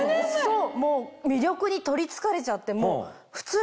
もう魅力に取りつかれちゃって。